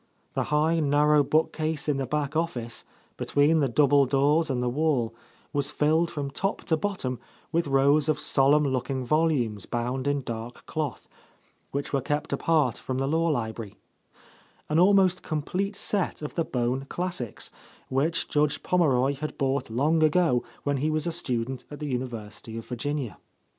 The high, narrow bookcase in the back office, between the double doors and the wall, was filled from top to bottom with rows of solemn looking volumes bound in dark cloth, which were kept apart from the law library; an almost complete set of the Bohn classics, which Judge Pommeroy had bought long ago when he was a student at the University of Virginia.